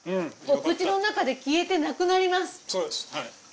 お口の中で消えてなくなります。